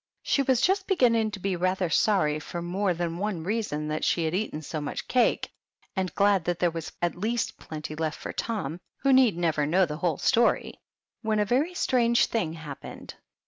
She was just beginning to be rather sorry for more than one reason that she had eaten so much cake, and glad that there was at least plenty left for Tom, who need never know the whole story, when a very strange thing hap pened.